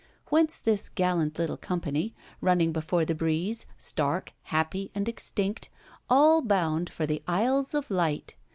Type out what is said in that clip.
Whence this gallant little company, running before the breeze, stark, happy, and extinct, all bound for the Isles of Light!